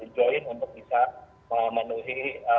join untuk bisa memenuhi